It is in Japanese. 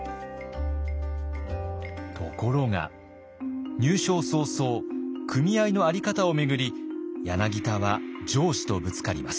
ところが入省早々組合の在り方を巡り柳田は上司とぶつかります。